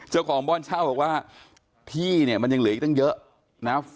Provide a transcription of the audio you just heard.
เจ้าของบ้านเช่าบอกว่าที่เนี่ยมันยังเหลืออีกตั้งเยอะนะ